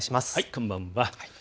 こんばんは。